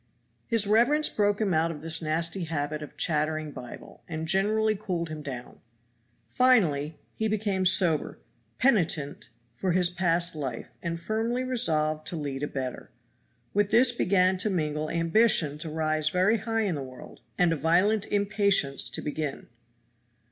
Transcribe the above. His reverence broke him of this nasty habit of chattering Bible, and generally cooled him down. Finally he became sober, penitent for his past life, and firmly resolved to lead a better. With this began to mingle ambition to rise very high in the world, and a violent impatience to begin.